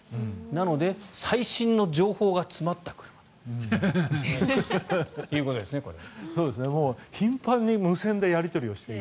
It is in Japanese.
なので最新の情報が詰まった車。ということですね、これ。